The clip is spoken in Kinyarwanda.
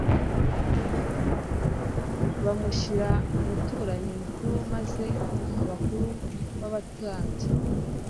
bamushyira umutambyi mukuru maze abakuru b abatambyi